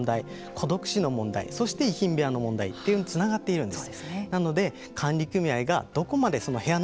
孤独死の問題そして遺品部屋の問題とつながっているんです。